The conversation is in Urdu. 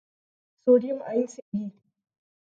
سوڈئیم آئن سے ب